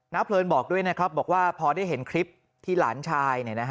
เพลินบอกด้วยนะครับบอกว่าพอได้เห็นคลิปที่หลานชาย